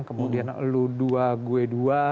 kemudian lo dua gue dua